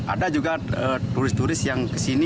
ada juga turis turis yang kesini